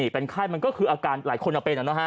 เป็นไข้มันก็คืออาการหลายคนเป็น